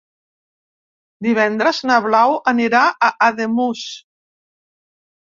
Divendres na Blau anirà a Ademús.